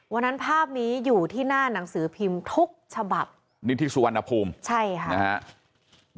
ภาพนี้อยู่ที่หน้าหนังสือพิมพ์ทุกฉบับนี่ที่สุวรรณภูมิใช่ค่ะนะฮะ